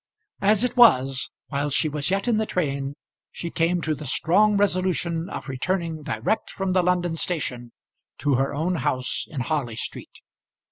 As it was, while she was yet in the train, she came to the strong resolution of returning direct from the London station to her own house in Harley Street.